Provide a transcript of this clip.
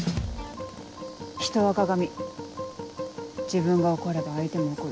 ひとは鏡自分が怒れば相手も怒る。